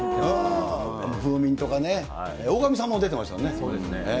ふーみんとかね、大神さんも出てそうですね。